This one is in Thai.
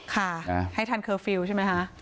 ค่ะให้ทันเคอร์ฟิลล์ใช่ไหมคะ